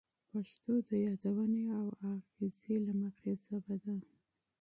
پښتو د یادونې او اغیزې له مخې ژبه ده.